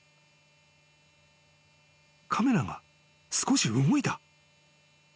［カメラが少し動いた］